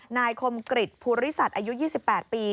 นายคมกริจภูริสัตว์อายุ๒๘ปี